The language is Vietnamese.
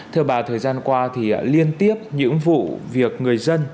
thưa bà thời gian qua thì liên tiếp những vụ việc người dân